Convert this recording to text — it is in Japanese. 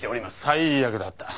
最悪だった。